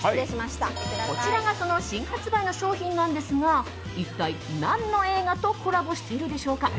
こちらがその新発売の商品なんですが一体、何の映画とコラボしているでしょうか？